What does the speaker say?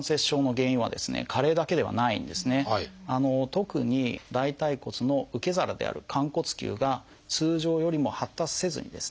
特に大腿骨の受け皿である寛骨臼が通常よりも発達せずにですね